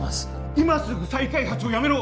今すぐ再開発をやめろ。